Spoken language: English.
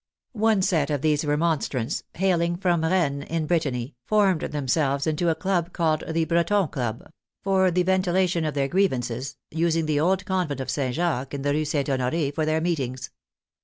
One set of these remonstrants, hailing from Rennes, in Brittany, formed themselves into a club called the Breton Club, for the ventilation of their grievances, using the old Convent of St. Jacques in the Rue St. Honore for their meetings.